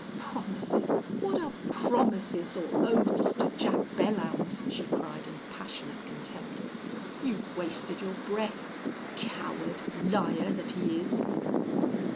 "Promises! What are promises or oaths to Jack Belllounds?" she cried, in passionate contempt. "You wasted your breath. Coward liar that he is!"